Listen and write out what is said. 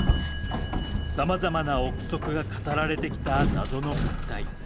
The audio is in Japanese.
さまざまな臆測が語られてきた謎の物体。